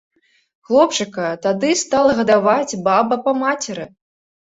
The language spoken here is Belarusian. Хлопчыка тады стала гадаваць баба па мацеры.